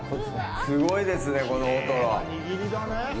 すごいですね、この大トロ！